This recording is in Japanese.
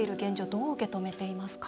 どう受け止めていますか？